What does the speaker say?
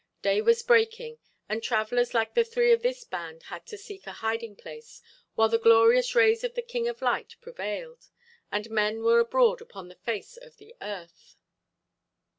Day was breaking, and travelers like the three of this band had to seek a hiding place while the glorious rays of the king of light prevailed, and men were abroad upon the face of the earth.